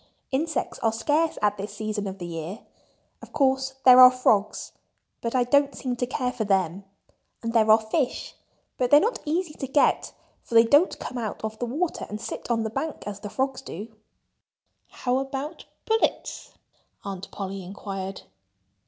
"Insects are scarce at this season of the year. Of course, there are frogs—but I don't seem to care for them. And there are fish—but they're not easy to get, for they don't come out of the water and sit on the bank, as the frogs do." "How about pullets?" Aunt Polly inquired.